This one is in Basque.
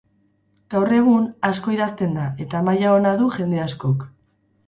Gaur egun, asko idazten da, eta maila ona du jende askok.